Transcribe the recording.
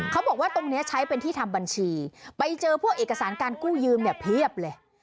เขาบอกว่าตรงนี้ใช้เป็นที่ทำบัญชีไปเจอพวกเอกสารการกู้ยืมเนี่ยเพียบเลย